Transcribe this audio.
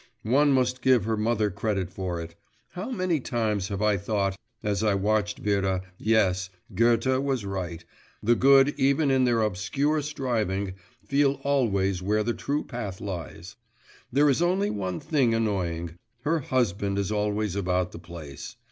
One must give her mother credit for it. How many times have I thought, as I watched Vera yes, Goethe was right, 'the good even in their obscure striving feel always where the true path lies.' There is only one thing annoying her husband is always about the place.